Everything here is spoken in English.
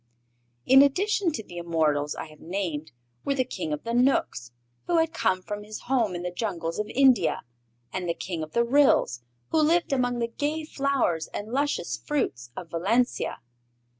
In addition to the immortals I have named were the King of the Knooks, who had come from his home in the jungles of India; and the King of the Ryls, who lived among the gay flowers and luscious fruits of Valencia.